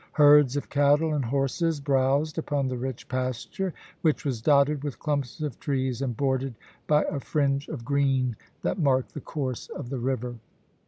Herds of cattle and horses browsed upon the rich pasture, which was dotted with clumps of trees and bordered by a fringe of green that marked the course of the river.